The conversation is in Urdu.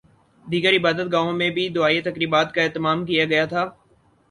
دیگر عبادت گاہوں میں بھی دعائیہ تقریبات کا اہتمام کیا گیا تھا